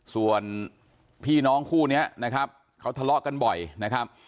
ส่วนพี่น้องคู่นี้นะครับเขาทะเลาะกันบ่อยนะครับ